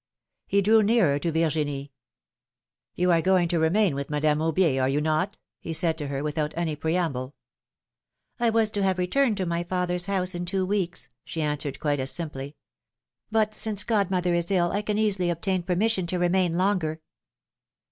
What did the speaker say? He drew nearer to Virginie. ^^You are going to remain with Madame Aubier, are you not?" he said to her, without any preamble. philomene's marriages. 155 I was to have returned to my father's house in two weeks/' she answered, quite as simply. But, since god mother is ill, I can easily obtain permission to remain longer."